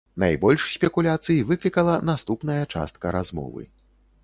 Найбольш спекуляцый выклікала наступная частка размовы.